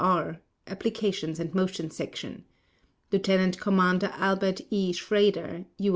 O.R. Applications and Motions Section LIEUTENANT COMMANDER ALBERT E. SCHRADER, U.